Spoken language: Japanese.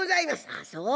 「ああそう。